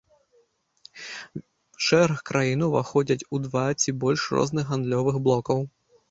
Шэраг краін уваходзяць у два ці больш розных гандлёвых блокаў.